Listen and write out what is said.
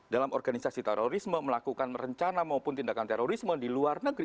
dalam organisasi terorisme melakukan rencana maupun tindakan terorisme di luar negeri